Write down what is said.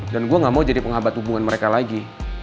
dan gue gak mau jadi pengahabat hubungan mereka lagi